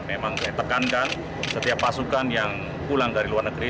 memang saya tekankan setiap pasukan yang pulang dari luar negeri